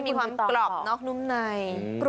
มีความกรอบนอกนุ่มใน